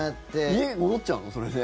家に戻っちゃうのそれで？